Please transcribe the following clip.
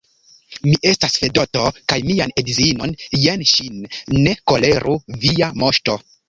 Mi estas Fedoto, kaj mian edzinon, jen ŝin, ne koleru, via moŝto!